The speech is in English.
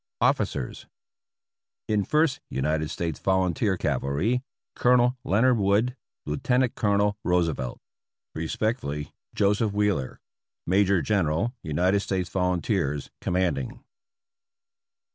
OFFICERS. In First United States Volunteer Cavalry — Colonel Leonard Wood, Lieutenant Colonel Roosevelt. Respectfully, Joseph Wheeler, Major General United States Volunteers, Commanding.